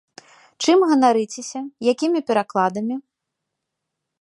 Чым ганарыцеся, якімі перакладамі?